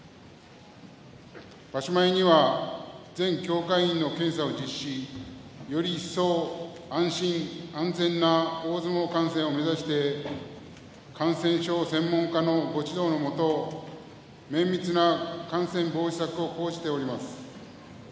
場所前には全協会員の検査を実施より一層、安心安全な大相撲観戦を目指して感染症専門家のご指導のもと綿密な感染防止策を講じております。